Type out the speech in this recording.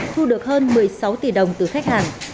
thu được hơn một mươi sáu tỷ đồng từ khách hàng